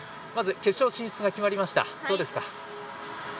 決勝進出が決まりました。